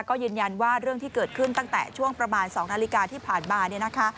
ก็ยืนยันว่าเรื่องที่เกิดขึ้นตั้งแต่ช่วงประมาณ๒นาฬิกาที่ผ่านมาเนี่ยนะคะ